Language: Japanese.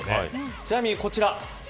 ちなみにこちら。